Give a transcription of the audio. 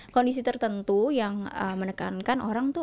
kondisi tertentu yang menekankan orang itu